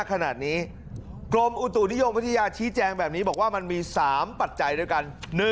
ก็จะพูดให้ใจด้วยกัน